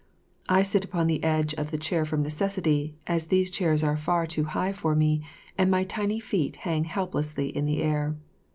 I sit upon the edge of the chair from necessity, as these chairs are far too high for me, and my tiny feet hang helplessly in the air.